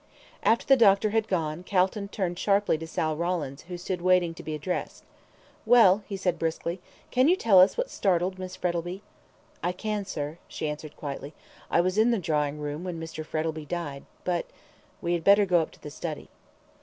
After the doctor had gone, Calton turned sharply to Sal Rawlins, who stood waiting to be addressed. "Well," he said briskly, "can you tell us what startled Miss Frettlby?" "I can, sir," she answered quietly. "I was in the drawing room when Mr. Frettlby died but we had better go up to the study."